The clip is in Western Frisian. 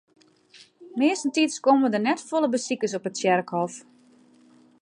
Meastentiids komme der net folle besikers op it tsjerkhôf.